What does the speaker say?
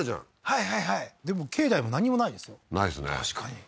はいはいはいでも境内も何もないですよないですね